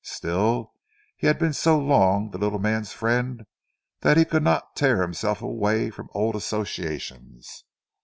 Still he had been so long the little man's friend, that he could not tear himself away from old associations.